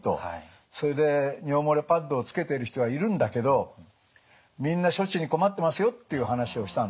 それで尿漏れパッドをつけてる人はいるんだけどみんな処置に困ってますよっていう話をしたんです。